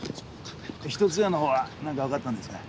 一つ家の方は何か分かったんですかい？